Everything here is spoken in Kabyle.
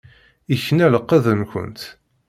Ikna lqedd-nkent.